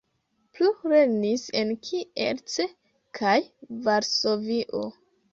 Plu lernis en Kielce kaj Varsovio.